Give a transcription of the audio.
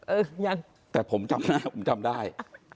เออยังแต่ผมจำได้